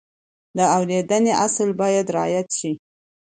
د اورېدنې اصل باید رعایت شي.